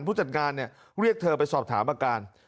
ผู้จัดงานเรียกเธอไปสอบถามอาการ